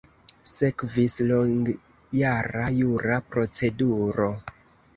Sekvis longjara jura proceduro.